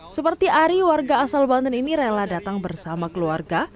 seperti ari warga asal banten ini rela datang bersama keluarga